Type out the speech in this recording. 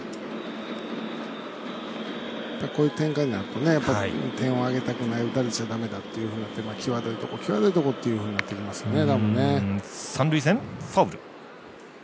こういう展開になると点をあげたくない打たれちゃだめだって際どいところ際どいところっていうふうになってきますよね。